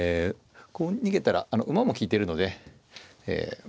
こう逃げたら馬も利いてるのでえま